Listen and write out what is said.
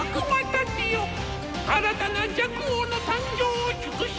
新たな若王の誕生を祝し